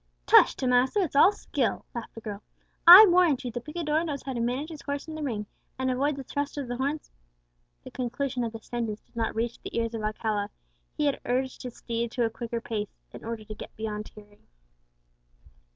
"Tush, Tomaso, it's all skill," laughed the girl. "I warrant you the picador knows how to manage his horse in the ring, and avoid the thrust of the horns " The conclusion of the sentence did not reach the ears of Alcala; he had urged his steed to a quicker pace, in order to get beyond hearing.